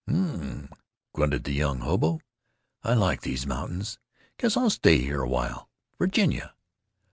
"Hm!" grunted the young hobo. "I like these mountains. Guess I'll stay here awhile.... Virginia!